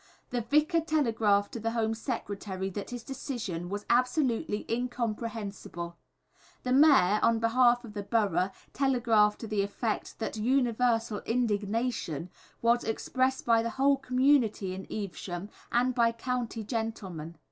The Vicar telegraphed to the Home Secretary that his decision was "absolutely incomprehensible;" the Mayor, on behalf of the borough, telegraphed to the effect that "universal indignation" was "expressed by the whole community in Evesham and by county gentlemen."